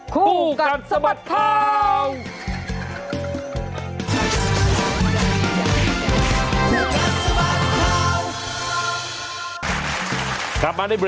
คู่กัดสะบัดข่าว